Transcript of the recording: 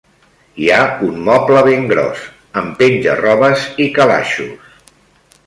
Hi ha un moble ben gros, amb penja-robes i calaixos.